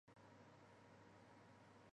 莫热地区勒潘。